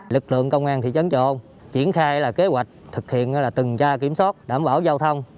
lực lượng công an thị trấn chợ ôn triển khai kế hoạch thực hiện từng tra kiểm soát đảm bảo giao thông